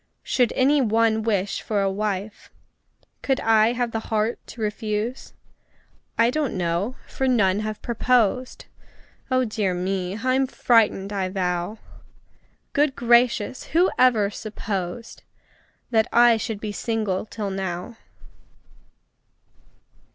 Should any one wish for a wife, Could I have the heart to refuse? I don't know for none have proposed Oh, dear me! I'm frightened, I vow! Good gracious! who ever supposed That I should be single till now?